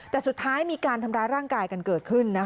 แต่สุดท้ายมีการทำร้ายร่างกายกันเกิดขึ้น